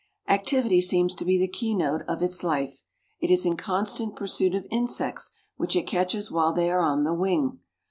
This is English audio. Activity seems to be the keynote of its life. It is in constant pursuit of insects, which it catches while they are on the wing.